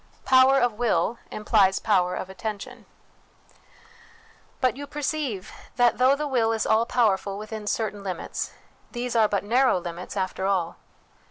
Power of Will implies Power of Attention. But you perceive that, though the will is all power ful within certain limits, these are but narrow limits after all.